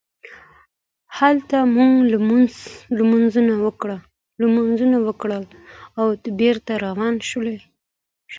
هلته مو لمونځونه وکړل او بېرته روان شولو.